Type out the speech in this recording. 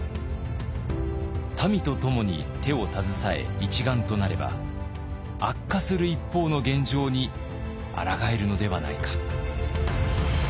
民とともに手を携え一丸となれば悪化する一方の現状にあらがえるのではないか。